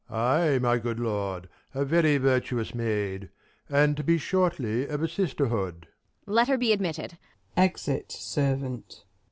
Prov. Ay, my good lord, a very virtuous maid, And to be shortly of a sisterhood. Ang. Let her be admitted ! [Exit Servant.